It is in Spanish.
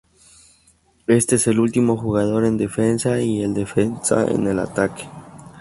Este es el último jugador en defensa y el defensa en el ataque.